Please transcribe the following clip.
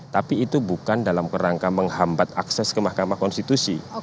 tapi itu bukan dalam kerangka menghambat akses ke mahkamah konstitusi